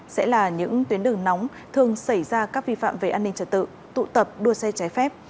sẽ là những tuyến đường nóng thường xảy ra các vi phạm về an ninh trật tự tụ tập đua xe trái phép